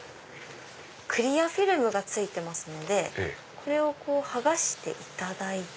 クリアフィルムが付いてますのでこれを剥がしていただいて。